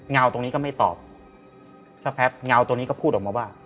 เงาตรงนี้ก็ไม่ตอบสักพักเงาตัวนี้ก็พูดออกมาว่า